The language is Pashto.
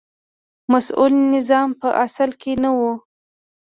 مسوول نظام په اصل کې نه و.